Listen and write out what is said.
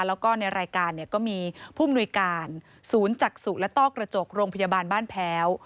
แล้วก็ในรายการเนี่ยก็มีผู้มนุยการศูนย์จักษุและต้อกระจกโรงพยาบาลบ้านแพ้ว